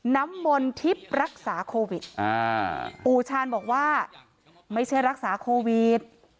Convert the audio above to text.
น้ำมนทิพย์รักษาโควิดปู่ชาญบอกว่าไม่ใช่รักษาโควิด